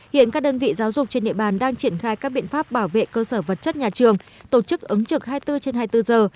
hiện các đơn vị giáo dục trên địa bàn đang triển khai các biện pháp bảo vệ cơ sở vật chất nhà trường tổ chức ứng trực hai mươi bốn trên hai mươi bốn giờ